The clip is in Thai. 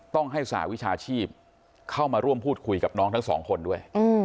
ต้องให้สหวิชาชีพเข้ามาร่วมพูดคุยกับน้องทั้งสองคนด้วย